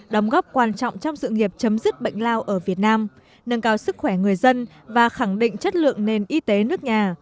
đóng góp quan trọng trong sự nghiệp chấm dứt bệnh lao ở việt nam nâng cao sức khỏe người dân và khẳng định chất lượng nền y tế nước nhà